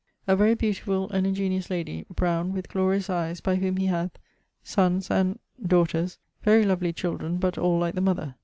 a very beautifull and ingeniose lady, browne, with glorious eies, by whom he hath ... sonnes, and ... daughters, very lovely children, but all like the mother.